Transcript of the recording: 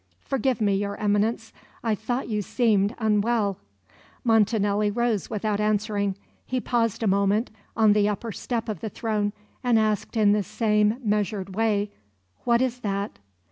"Forgive me, Your Eminence. I thought you seemed unwell." Montanelli rose without answering. He paused a moment on the upper step of the throne, and asked in the same measured way: "What is that?"